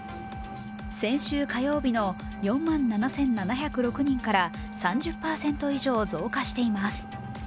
先週火曜日の４万７７０６人から３０％以上増加しています。